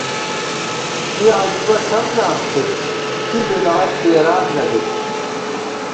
کی عجیبہ ݪم نام تھِت، کی بدعت کېران نہ دِت